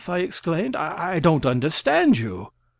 I exclaimed. "I don't understand you."